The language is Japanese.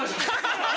ハハハハ！